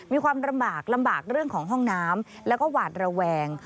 มีความลำบากลำบากเรื่องของห้องน้ำแล้วก็หวาดระแวง